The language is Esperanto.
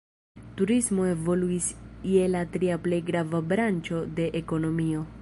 Turismo evoluis je la tria plej grava branĉo de ekonomio.